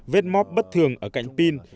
vết móp bất thường ở cạnh pin